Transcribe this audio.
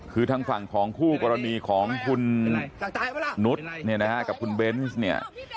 คือทางฝั่งของคู่กรณีของคุณนุษย์เนี่ยนะฮะกับคุณเบนส์เนี่ย